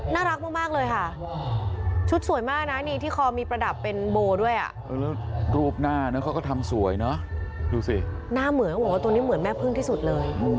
น่ารักมากเลยค่ะชุดสวยมากนะที่คอมีประดับเป็นโบด้วยรูปหน้าเขาก็ทำสวยดูสิหน้าเหมือนตัวนี้เหมือนแม่เพิ่งที่สุดเลย